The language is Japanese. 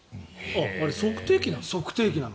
あれ測定器なの？